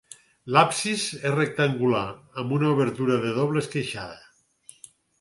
L'absis és rectangular amb una obertura de doble esqueixada.